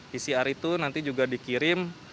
pcr itu nanti juga dikirim